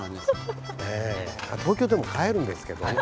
東京でも買えるんですけどね。